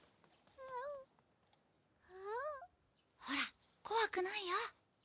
ほら怖くないよ。